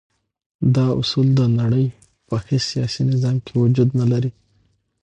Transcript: دا اصول د نړی په هیڅ سیاسی نظام کی وجود نلری.